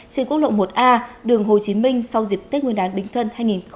trên quốc lộ một a đường hồ chí minh sau dịp tết nguyên đán bình thân hai nghìn một mươi sáu